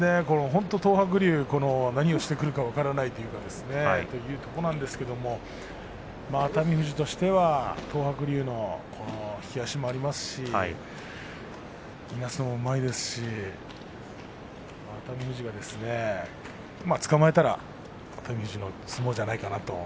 本当に東白龍は何をしてくるか分からないというところなんですけれども熱海富士としては東白龍の引き足もありますしいなすのもうまいですし熱海富士がつかまえたら熱海富士の相撲じゃないかな。